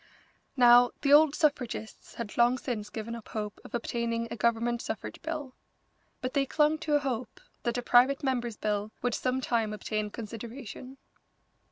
Now, the old suffragists had long since given up hope of obtaining a Government suffrage bill, but they clung to a hope that a private member's bill would some time obtain consideration.